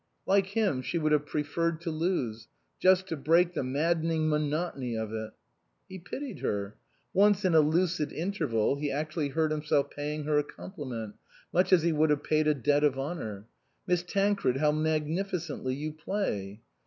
Like him, she would have preferred to lose, just to break the maddening monotony of it. He pitied her. Once, in a lucid interval, he actually heard himself paying her a compliment, much as he would have paid a debt of honour. " Miss Tancred, how magnificently you play